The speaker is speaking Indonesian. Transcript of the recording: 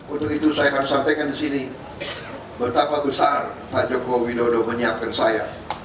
untuk itu saya harus sampaikan di sini betapa besar pak joko widodo menyiapkan saya